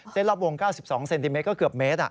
เส้นรอบวง๙๒เซนติเมตรก็เกือบเมตร